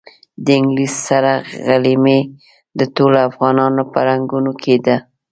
د انګلیس سره غلیمي د ټولو افغانانو په رګونو کې ده.